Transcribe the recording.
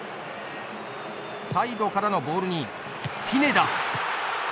サイドからのボールにピネダ。